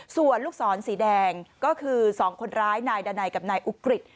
ส่วนลูกศรสีแดงก็คือ๒คนร้ายนายดานัยกับนายอุกฤษ